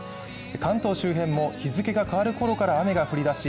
関東周辺も日付が変わるころから雨が降り出し